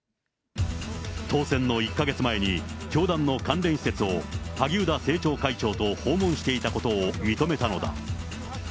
当選の１か月前に、教団の関連施設を、萩生田政調会長と訪問していたことを認めたのだ。